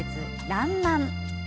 「らんまん」。